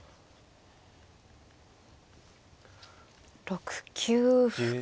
６九歩か。